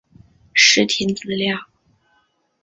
视听资料